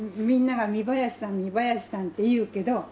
みんなが「みばやしさんみばやしさん」って言うけど。